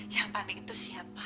yang panik itu siapa